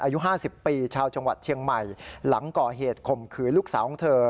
อายุ๕๐ปีชาวจังหวัดเชียงใหม่หลังก่อเหตุข่มขืนลูกสาวของเธอ